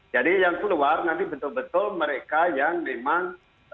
jadi yang keluar nanti betul betul mereka yang memang